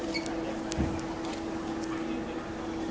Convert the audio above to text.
สวัสดีครับ